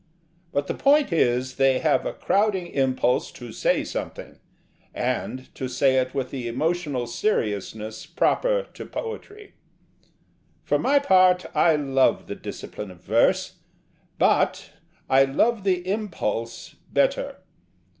But the point is, they have a crowding impulse to say something; and to say it with the emotional seriousness proper to Poetry. For my part, I love the discipline of verse: but I love the impulse better.